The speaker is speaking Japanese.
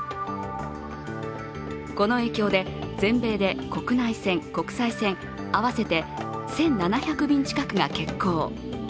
この影響で全米で国内線、国際線合わせて１７００便近くが欠航。